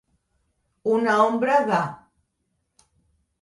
Una ombra de.